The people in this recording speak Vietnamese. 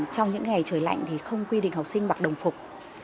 trong những ngày trời lạnh thì không quy định học sinh mặc đồng phục